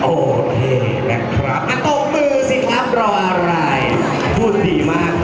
โอเคแหละครับมาตกมือสิครับเดราอารัยพูดดีมาก